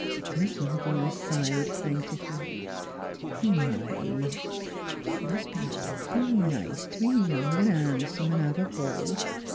Miss Malvina sighed plaintively. " My ! it must be awful nice t' be young an' han'some an' have a beau.